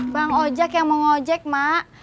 bang ojak yang mau ngojek mak